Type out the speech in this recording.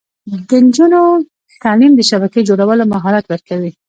د نجونو تعلیم د شبکې جوړولو مهارت ورکوي.